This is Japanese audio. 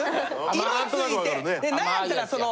色付いてなんやったらその。